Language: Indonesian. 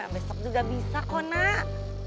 besok juga bisa kok nak